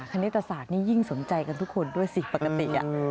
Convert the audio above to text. คณิตศาสตร์นี่ยิ่งสนใจกันทุกคนด้วยสิปกติ